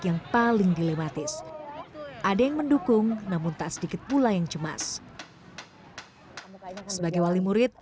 yang paling dilematis ada yang mendukung namun tak sedikit pula yang cemas sebagai wali murid